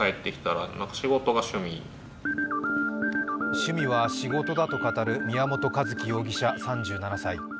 趣味は仕事だと語る宮本一希容疑者３７歳。